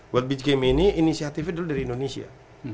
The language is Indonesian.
world beach games ini inisiatifnya dulu dari indonesia